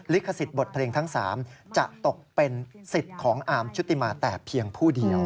ขสิทธิ์บทเพลงทั้ง๓จะตกเป็นสิทธิ์ของอาร์มชุติมาแต่เพียงผู้เดียว